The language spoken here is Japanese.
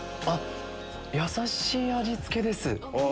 優しい味付けです。